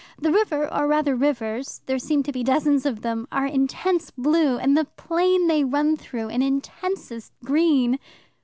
The river, or rather rivers there seem to be dozens of them are intense blue, and the plain they run through an intensest green."